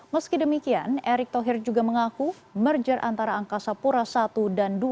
meski demikian erick thohir juga mengaku merger antara angkasa pura i dan dua